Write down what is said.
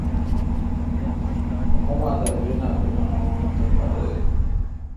اماں دا بینہ ک نہ اں تھپاریل۔